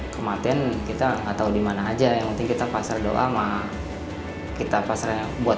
kematian kita nggak tahu dimana aja yang penting kita pasar doa sama kita pasarnya buat